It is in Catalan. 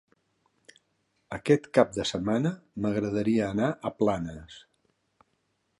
Aquest cap de setmana m'agradaria anar a Planes.